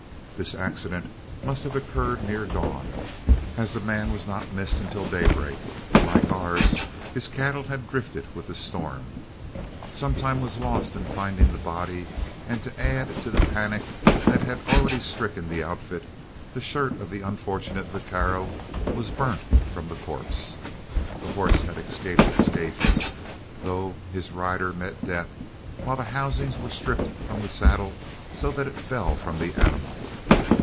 The accident must have occurred near dawn, as the man was not missed until daybreak, and like ours, his cattle had drifted with the storm. Some time was lost in finding the body, and to add to the panic that had already stricken the outfit, the shirt of the unfortunate vaquero was burnt from the corpse. The horse had escaped scathless, though his rider met death, while the housings were stripped from the saddle so that it fell from the animal.